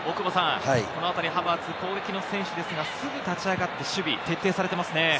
ハバーツは攻撃の選手ですが、すぐ立ち上がって守備徹底されていますね。